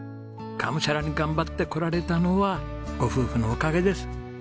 がむしゃらに頑張ってこられたのはご夫婦のおかげです。